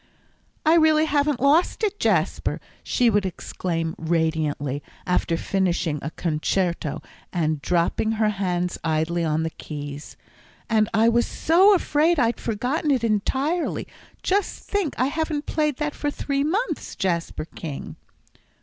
"I really haven't lost it, Jasper!" she would exclaim radiantly, after finishing a concerto, and dropping her hands idly on the keys. "And I was so afraid I'd forgotten it entirely. Just think, I haven't played that for three months, Jasper King."